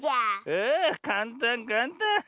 ああかんたんかんたん。